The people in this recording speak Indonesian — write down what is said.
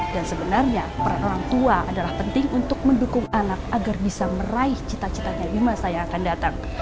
dan sebenarnya peran orang tua adalah penting untuk mendukung anak agar bisa meraih cita citanya di masa yang akan datang